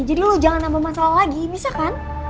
jadi lo jangan nambah masalah lagi bisa kan